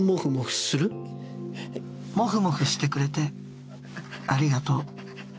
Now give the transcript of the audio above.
「モフモフしてくれてありがとう。